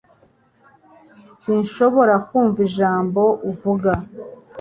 Sinshobora kumva ijambo uvuga.